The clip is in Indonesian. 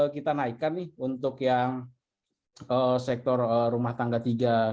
kita naikkan nih untuk yang sektor rumah tangga tiga